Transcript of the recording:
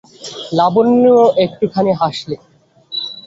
লাবণ্য একটুখানি হাসলে।